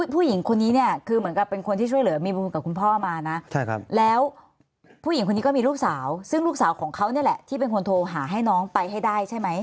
ผู้หญิงคนนี้เนี่ยคือเหมือนกับเป็นคนที่ช่วยเหลือมีบุญกับคุณพ่อมานะแล้วผู้หญิงคนนี้ก็มีลูกสาวซึ่งลูกสาวของเขานี่แหละที่เป็นคนโทรหาให้น้องไปให้ได้ใช่ไหม